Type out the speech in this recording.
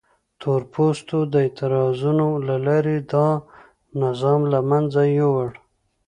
تور پوستو د اعتراضونو له لارې دا نظام له منځه یووړ.